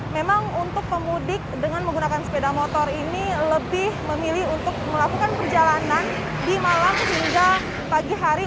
memang untuk pemudik dengan menggunakan sepeda motor ini lebih memilih untuk melakukan perjalanan di malam hingga pagi hari